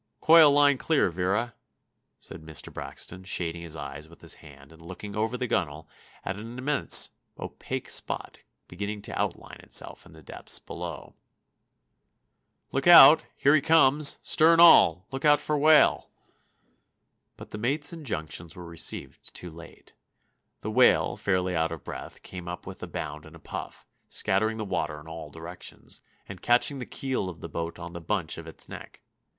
Coil line clear, Vera!" said Mr. Braxton, shading his eyes with his hand and looking over the gunwale at an immense opaque spot beginning to outline itself in the depths below. [Illustration: DRAWN BY W. TABER. ENGRAVED BY J. W. EVANS. FAST TO A WHALE.] "Look out! Here he comes! Stern all! Look out for whale!" But the mate's injunctions were received too late. The whale, fairly out of breath, came up with a bound and a puff, scattering the water in all directions, and catching the keel of the boat on the bunch of its neck.